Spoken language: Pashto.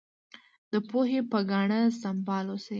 د پوهې په ګاڼه سمبال اوسئ.